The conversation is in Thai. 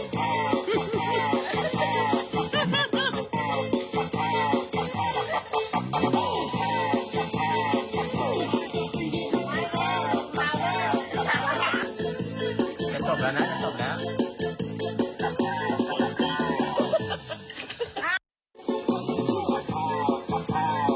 ที่ไหน